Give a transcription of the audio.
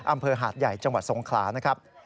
อำเภอหาดใหญ่จังหวัดสงขลานะครับ